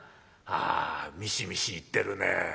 ああミシミシいってるねえ。